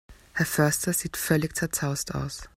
Herr Förster sieht völlig zerzaust aus.